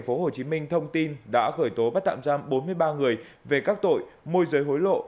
tp hcm thông tin đã khởi tố bắt tạm giam bốn mươi ba người về các tội môi giới hối lộ